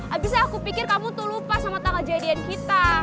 abis aku pikir kamu tuh lupa sama tanggal kejadian kita